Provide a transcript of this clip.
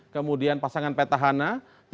kemudian pasangan petahana